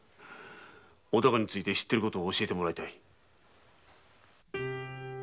お孝について知っていることを教えてもらいたい。